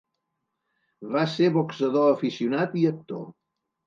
Va ser boxador aficionat i actor.